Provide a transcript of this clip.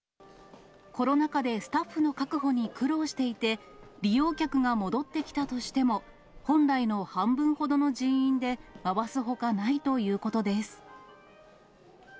コロナ禍でスタッフの確保に苦労していて、利用客が戻ってきたとしても、本来の半分ほどの人員で回すほかないということです。